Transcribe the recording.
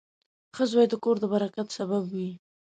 • ښه زوی د کور د برکت سبب وي.